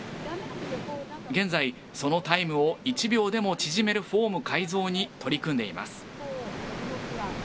現在、そのタイムを１秒でも縮めるフォーム改造に取り組んでいます。